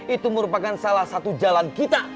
itu merupakan salah satu jalan kita